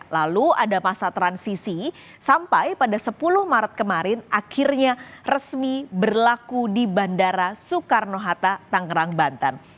lalu ada masa transisi sampai pada sepuluh maret kemarin akhirnya resmi berlaku di bandara soekarno hatta tangerang banten